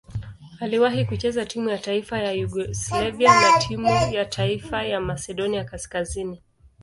Aliwahi kucheza timu ya taifa ya Yugoslavia na timu ya taifa ya Masedonia Kaskazini.